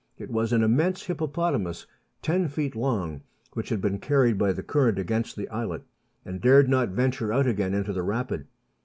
It was an immense hippo potamus, ten feet long, which had been carried by the current against the islet, and dared not venture out again into the rapid.